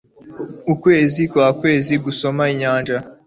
ukwezi kwakwezi gusoma inyanja